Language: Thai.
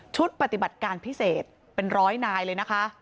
ปฏิบัติการพิเศษเป็นร้อยนายเลยนะคะ